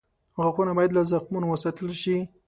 غاښونه باید له زخمونو وساتل شي.